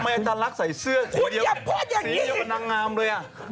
ไม่แล้วทำไมอาจารย์ลักษณ์ใส่เสื้อสีเดียวกับนางงามเลยอ่ะ